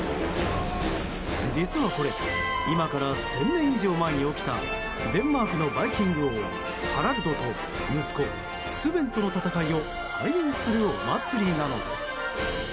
実はこれ今から１０００年以上前に起きたデンマークのバイキング王ハラルドと息子スヴェンとの戦いを再現するお祭りなのです。